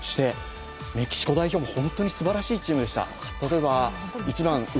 メキシコ代表もすばらしいチームでした。